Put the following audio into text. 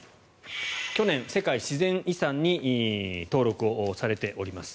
去年、世界自然遺産に登録されております。